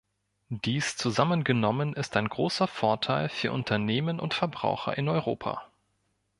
Dies zusammengenommen ist ein großer Vorteil für Unternehmen und Verbraucher in Europa.